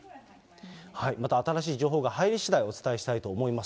また新しい情報が入りしだい、お伝えしたいと思います。